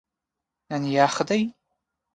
نن یخ دی